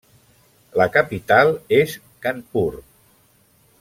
La capital és Kanpur.